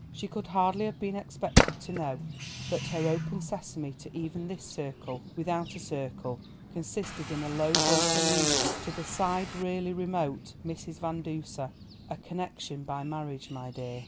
She could hardly have been expected to know that her open sesame to even this circle without a circle consisted in a low voiced allusion to the sidereally remote Mrs. Van Duser, "a connection by marriage, my dear."